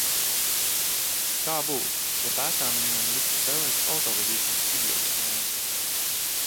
Kā būtu, ja pētāmajiem liktu spēlēt autovadīšanas videospēli?